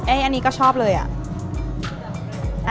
เอ๊อันนี้ก็ชอบเลยอะ